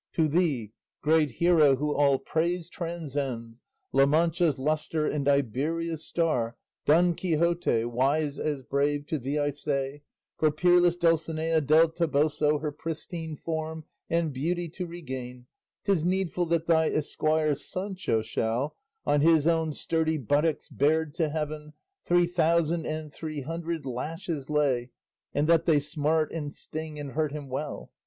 To thee, great hero who all praise transcends, La Mancha's lustre and Iberia's star, Don Quixote, wise as brave, to thee I say For peerless Dulcinea del Toboso Her pristine form and beauty to regain, 'T is needful that thy esquire Sancho shall, On his own sturdy buttocks bared to heaven, Three thousand and three hundred lashes lay, And that they smart and sting and hurt him well.